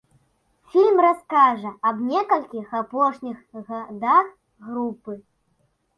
Фільм раскажа аб некалькіх апошніх гадах групы.